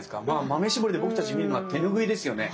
豆絞りで僕たち見るのは手ぬぐいですよね。